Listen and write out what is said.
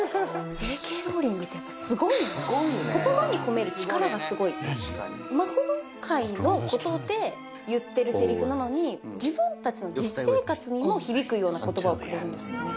Ｊ．Ｋ．ローリングってやっぱすごい言葉に込める力がすごい確かに魔法界のことで言ってる台詞なのに自分たちの実生活にも響くような言葉をくれるんですよね